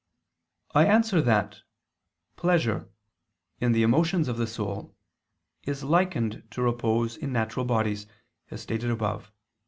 I answer that, Pleasure, in the emotions of the soul, is likened to repose in natural bodies, as stated above (Q.